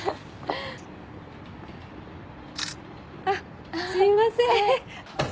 あっすいません。